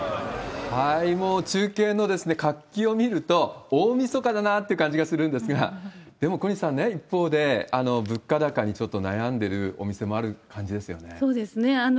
もう中継の活気を見ると、大みそかだなっていう感じがするんですが、でも、小西さん、一方で、物価高にちょっと悩んでるお店もそうですね。